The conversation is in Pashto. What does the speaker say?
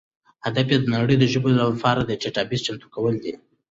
هدف یې د نړۍ د ژبو لپاره د ډیټابیس چمتو کول دي.